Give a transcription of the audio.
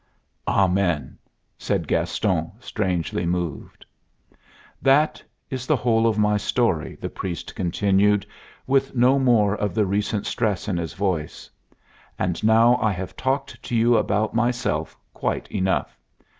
"Amen!" said Gaston, strangely moved. "That is the whole of my story," the priest continued, with no more of the recent stress in his voice. "And now I have talked to you about myself quite enough.